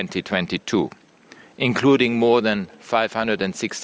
termasuk lebih dari lima ratus enam puluh anak anak